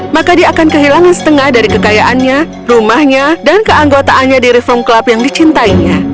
maka dia akan kehilangan setengah dari kekayaannya rumahnya dan keanggotaannya di reform club yang dicintainya